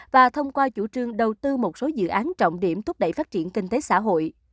và thông qua chủ trương đầu tư một số dự án trọng điểm thúc đẩy phát triển kinh tế xã hội